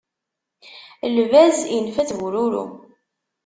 Lbaz infa-t bururu.